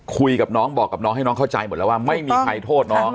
คุยกับน้องบอกกับน้องให้น้องเข้าใจหมดแล้วว่าไม่มีใครโทษน้อง